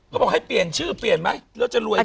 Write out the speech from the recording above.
บอกให้เปลี่ยนชื่อเปลี่ยนไหมแล้วจะรวยไหม